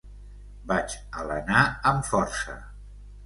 Vaig alenar amb força.